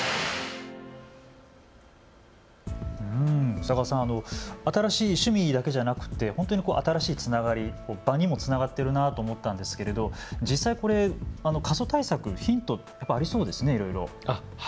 宇佐川さん、新しい趣味だけじゃなくて本当にこう、新しいつながり、場にもつながっているなと思ったんですけれど実際、過疎対策、ヒントってありそうですね、いろいろ。